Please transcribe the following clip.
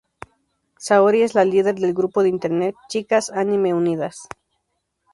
Saori es la líder del grupo de Internet "¡Chicas Anime Unidas!